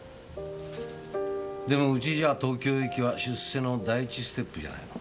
でもうちじゃ東京行きは出世の第一ステップじゃないの。